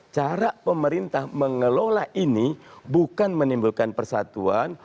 cara pemerintah mengelola ini bukan menimbulkan persatuan